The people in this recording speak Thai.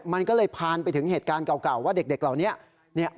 มันก็เลยผ่านไปถึงเหตุการณ์เก่าว่าเด็กเหล่านี้